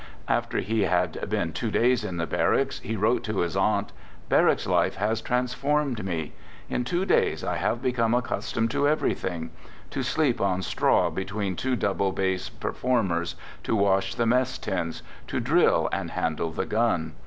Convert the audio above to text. After he had been two days in the barracks, he wrote to his aunt: " Barracks life has transformed me. In two days I have become accustomed to everything: to sleep on straw between two double bass performers, to wash the mess tins, to drill and 1 2 " THE GOOD SOLDIER jhandle the gun.